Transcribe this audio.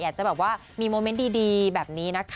อยากจะแบบว่ามีโมเมนต์ดีแบบนี้นะคะ